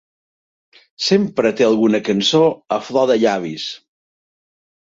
Sempre té alguna cançó a flor de llavis.